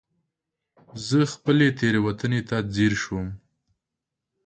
زه خپلې تېروتنې ته ځير شوم.